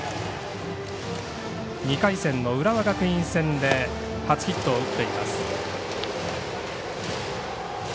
２回戦の浦和学院戦で初ヒットを打っています。